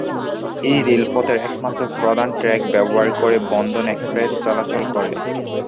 এই রেলপথের একমাত্র প্রধান ট্র্যাক ব্যবহার করে বন্ধন এক্সপ্রেস চলাচল করে।